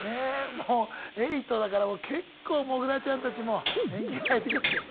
もう８だから結構モグラちゃんたちも年季が入ってきましたよ。